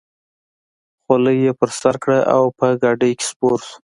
خولۍ یې پر سر کړه او په ګاډۍ کې سپور شو.